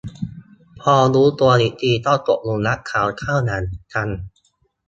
พอรู้ตัวอีกทีก็ตกหลุมรักเขาเข้าอย่างจัง